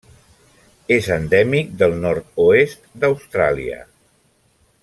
És endèmic del nord-oest d'Austràlia.